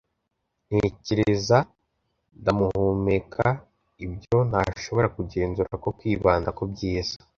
ntekereza. ndahumeka ibyo ntashobora kugenzura no kwibanda ku byiza